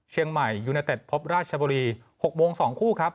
เชียงใหม่ยูเนอเดตพบราชบัลลี๖๐๐บาท๒คู่ครับ